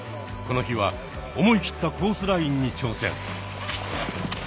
この日は思い切ったコースラインに挑戦。